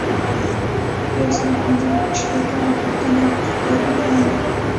یو سل او پنځه شپیتمه پوښتنه کاري پلان دی.